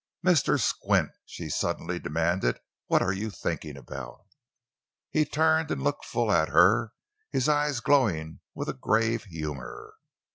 "Mr. Squint," she suddenly demanded; "what are you thinking about?" He turned and looked full at her, his eyes glowing with a grave humor.